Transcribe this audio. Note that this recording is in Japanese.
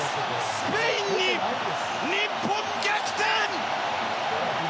スペインに日本、逆転！